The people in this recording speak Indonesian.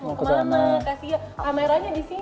mau kemana kasih ya kameranya disini